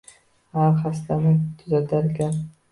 Har xastani tuzatarkan